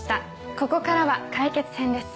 ここからは解決編です。